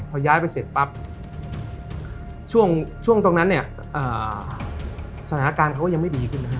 พอย้ายไปเสร็จปั๊บช่วงตรงนั้นเนี่ยสถานการณ์เขาก็ยังไม่ดีขึ้นนะฮะ